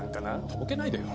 とぼけないでよ！